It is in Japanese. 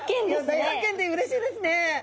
大発見でうれしいですね。